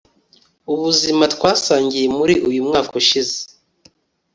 ubuzima twasangiye muri uyu mwaka ushize